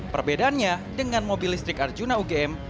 perbedaannya dengan mobil listrik arjuna ugm